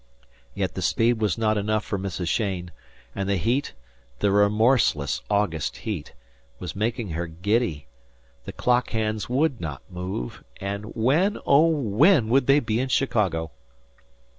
Yet the speed was not enough for Mrs. Cheyne; and the heat, the remorseless August heat, was making her giddy; the clock hands would not move, and when, oh, when would they be in Chicago?